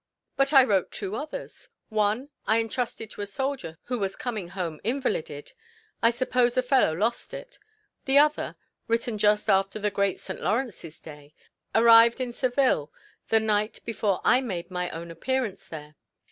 "But I wrote two others: one, I entrusted to a soldier who was coming home invalided I suppose the fellow lost it; the other (written just after the great St. Laurence's day) arrived in Seville the night before I made my own appearance there.